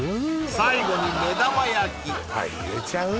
最後に目玉焼き入れちゃう？